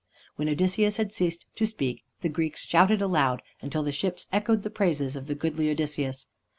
When Odysseus had ceased to speak, the Greeks shouted aloud, until the ships echoed the praises of the goodly Odysseus.